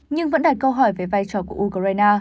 nhưng vẫn đặt câu hỏi về vai trò của ukraine